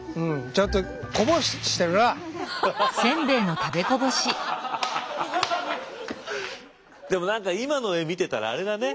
ちょっとでも何か今の画見てたらあれだね